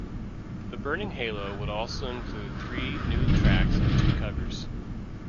"The Burning Halo" would also include three new tracks and two covers.